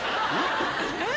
えっ？